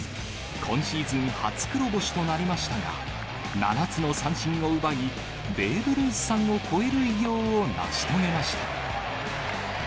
今シーズン初黒星となりましたが、７つの三振を奪い、ベーブ・ルースさんを超える偉業を成し遂げました。